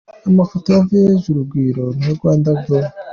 Amafoto: Village Urugwiro na Rwanda Gov.